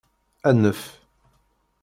Anef.